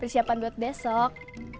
siap buat besok